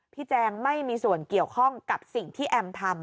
แจงไม่มีส่วนเกี่ยวข้องกับสิ่งที่แอมทำ